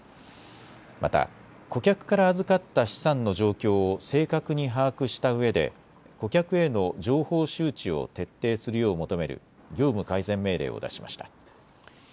また顧客から預かった資産の状況を正確に把握したうえで顧客への情報周知を徹底するよう求める業務改善命令を出しました。